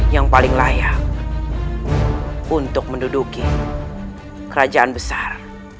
yang paling layak untuk menduduki kerajaan besar